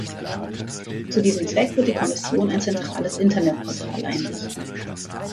Zu diesem Zweck wird die Kommission ein zentrales Internetportal einrichten.